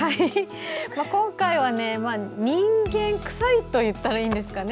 今回は人間くさいといったらいいんですかね。